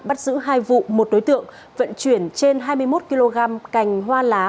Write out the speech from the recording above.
bắt giữ hai vụ một đối tượng vận chuyển trên hai mươi một kg cành hoa lá